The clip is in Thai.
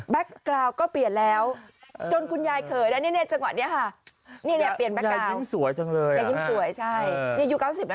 แบ็คกราวด์ก็เปลี่ยนแล้วจนคุณยายเขินแล้วเนี่ยเนี่ยจังหวะเนี่ยค่ะ